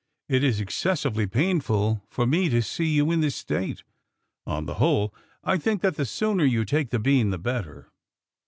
"It is excessively painful for me to see you in this state. On the whole, I think that the sooner you take the bean, the better."